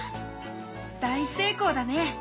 大成功だね！